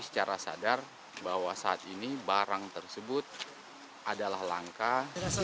secara sadar bahwa saat ini barang tersebut adalah langkah